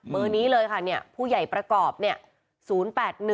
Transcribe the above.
มือนี้เลยค่ะเนี่ยผู้ใหญ่ประกอบเนี่ย๐๘๑